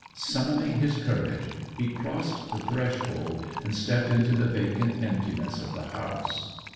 Summoning his courage he crossed the threshold and stepped into the vacant emptiness of the house.